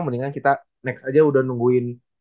mendingan kita next aja udah nungguin